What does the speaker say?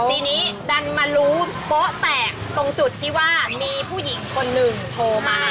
ทีนี้ดันมารู้โป๊ะแตกตรงจุดที่ว่ามีผู้หญิงคนหนึ่งโทรมา